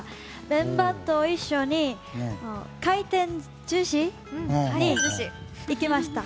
メンバーと一緒に回転寿司に行きました。